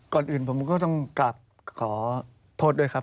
ก่อนอื่นผมก็ต้องกลับขอโทษด้วยครับ